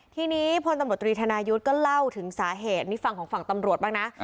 ทีนี้พลตำรวจตรีธนายุทธ์ก็เล่าถึงสาเหตุนี่ฟังของฝั่งตำรวจบ้างนะ